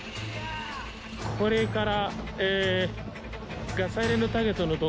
これから。